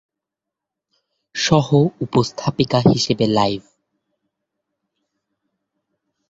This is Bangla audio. সহ-উপস্থাপিকা হিসেবে লাইভ!